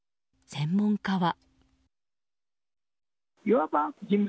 専門家は。